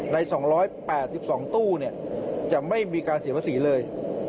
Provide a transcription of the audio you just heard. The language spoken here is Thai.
ใน๒๘๒ตู้จะไม่มีการเสียภาษีเลย